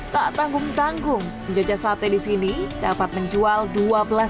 tak tanggung tanggung penjajah sate di sini dapat menjual dua belas